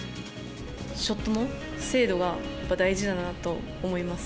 ショットの精度がやっぱ大事だなと思います。